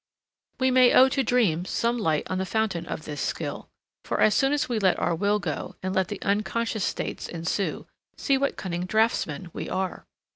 We may owe to dreams some light on the fountain of this skill; for as soon as we let our will go and let the unconscious states ensue, see what cunning draughtsmen we are!